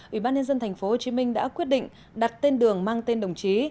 ủy ban nhân dân tp hcm đã quyết định đặt tên đường mang tên đồng chí